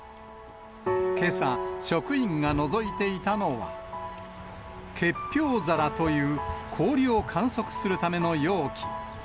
けさ、職員がのぞいていたのは、結氷皿という、氷を観測するための容器。